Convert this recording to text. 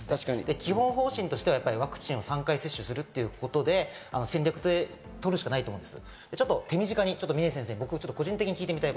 基本方針としてはワクチン３回接種するということでという戦略をとるしかないと思います。